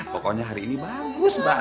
pokoknya hari ini bagus mbak